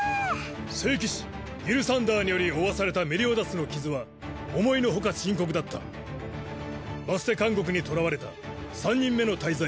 聖騎士ギルサンダーにより負わされたメリオダスの傷は思いのほか深刻だったバステ監獄に捕らわれた三人目の大罪